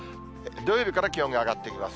土曜日から気温が上がってきます。